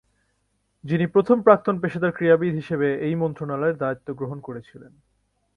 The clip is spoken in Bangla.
যিনি প্রথম প্রাক্তন পেশাদার ক্রীড়াবিদ হিসেবে এই মন্ত্রণালয়ের দায়িত্ব গ্রহণ করেছিলেন।